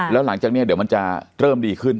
แล้วหลังจากนี้เดี๋ยวมันจะเริ่มดีขึ้น